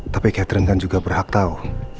tapi katrin kan juga berhak tau